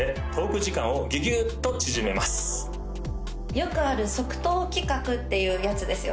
よくある即答企画っていうやつですよね